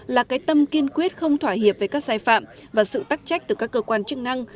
là cái tâm kiên quyết không thỏa hiệp với các sai phạm và sự tắc trách từ các cơ quan chức năng